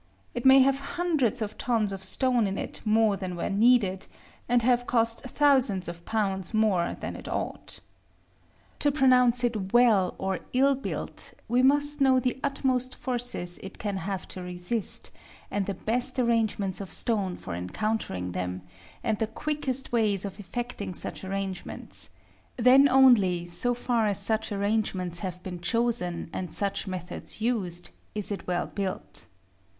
It may have hundreds of tons of stone in it more than were needed, and have cost thousands of pounds more than it ought. To pronounce it well or ill built, we must know the utmost forces it can have to resist, and the best arrangements of stone for encountering them, and the quickest ways of effecting such arrangements: then only, so far as such arrangements have been chosen, and such methods used, is it well built.